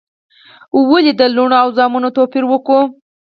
ولي د لوڼو او زامنو توپیر وکو؟